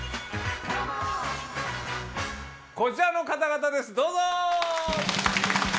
こちらの方々ですどうぞ！